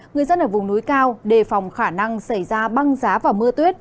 người dân ở vùng núi cao đề phòng khả năng xảy ra băng giá và mưa tuyết